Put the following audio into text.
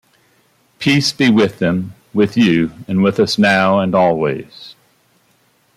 Peace be with them, with you, and with us now and always.